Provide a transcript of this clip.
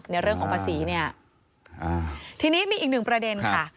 ในเรื่องของภาษีเนี่ยทีนี้มีอีกหนึ่งประเด็นค่ะ